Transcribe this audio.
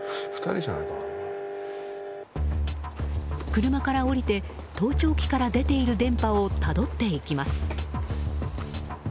車から降りて盗聴器から出ている電波をたどっていきます。